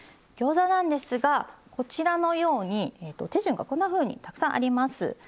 ギョーザなんですがこちらのように手順がこんなふうにたくさんあります。